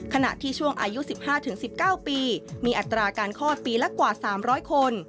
ขณะที่ช่วงอายุ๑๕๑๙ปีมีอัตราการคลอดปีละกว่า๓๐๐คน